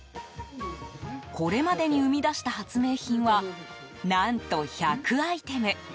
これまでに生み出した発明品は何と、１００アイテム。